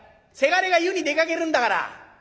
せがれが湯に出かけるんだから。